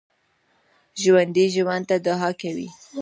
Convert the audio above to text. ژوندي ژوند ته دعا کوي